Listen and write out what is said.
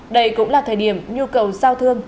đây cũng là thời điểm nhu cầu giao thương